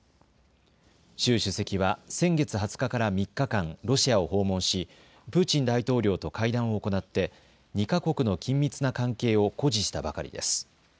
習主席は先月２０日から３日間、ロシアを訪問しプーチン大統領と会談を行って２か国の緊密な関係を誇示したばかりです。